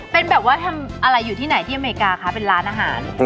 เป็นแบบว่าทำอะไรอยู่ที่ไหนที่อเมริกาคะเป็นร้านอาหาร